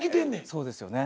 そうですよね。